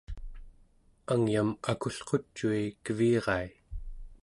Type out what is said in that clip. angyam akulqucui kevirai